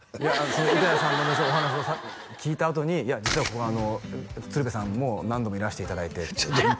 板谷さんのもちろんお話も聞いたあとに実はここ鶴瓶さんも何度もいらしていただいてってあら！